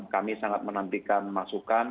kami sangat menantikan masukan